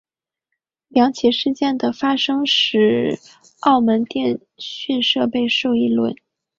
两起事件的发生使得澳门电讯备受议论。